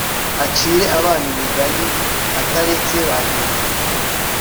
acire abana imingani ataretse ba nyina